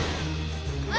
うわ！